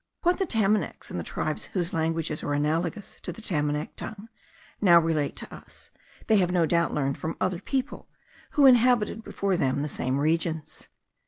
What the Tamanacs, and the tribes whose languages are analogous to the Tamanac tongue, now relate to us, they have no doubt learned from other people, who inhabited before them the same regions.